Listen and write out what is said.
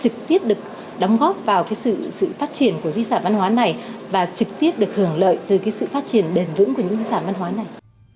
trực tiếp được đóng góp vào cái sự phát triển của di sản văn hóa này và trực tiếp được hưởng lợi từ cái sự phát triển đền vững của những cái di sản văn hóa này